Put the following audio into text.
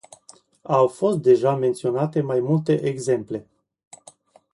Au fost deja menționate mai multe exemple.